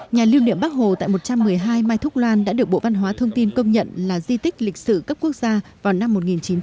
nhà liêu niệm bắc hồ tại một trăm một mươi hai mai thúc loan đã được bộ văn hóa thông tin công nhận là di tích lịch sử cấp quốc gia vào năm một nghìn chín trăm bảy mươi